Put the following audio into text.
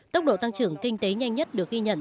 tốc độ tăng trưởng kinh tế nhanh nhất được ghi nhận